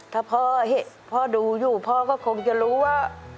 ถ้าพ่อดูอยู่พ่อก็คงจะรู้ว่า